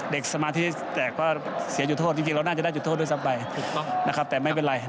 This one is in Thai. เด็กสมาธิแสดงว่าเสียจุดโทษจริงเราน่าจะได้จุดโทษด้วยซับไบแต่ไม่เป็นไร